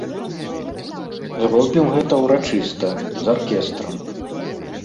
Зробім гэта ўрачыста, з аркестрам.